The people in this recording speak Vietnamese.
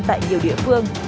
tại nhiều địa phương